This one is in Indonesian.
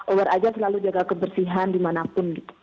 over aja selalu jaga kebersihan dimanapun